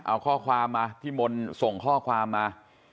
เอาข้อความมาที่มนต์ส่งข้อความมา